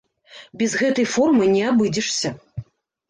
Без гэтай формы не абыдзешся.